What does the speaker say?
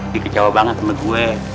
dia kecewa banget sama gue